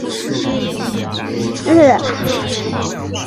以前所属公司